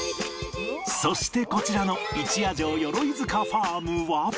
そしてこちらの一夜城ヨロイヅカ・ファームは